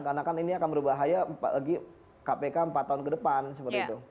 karena kan ini akan berbahaya lagi kpk empat tahun ke depan seperti itu